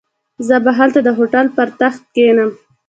زه به هلته د هوټل پر تخت کښېنم.